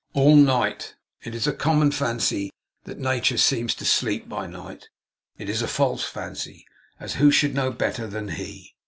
All night! It is a common fancy that nature seems to sleep by night. It is a false fancy, as who should know better than he?